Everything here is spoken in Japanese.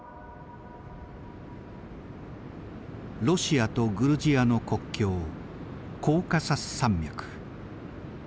ロシアとグルジアの国境コーカサス山脈。